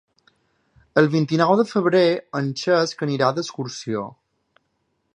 El vint-i-nou de febrer en Cesc anirà d'excursió.